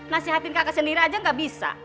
nasihatin kakak sendiri aja gak bisa